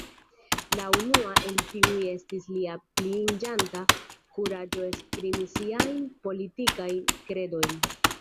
La unua el tiuj estis lia pliiĝanta kuraĝo esprimi siajn politikajn kredojn.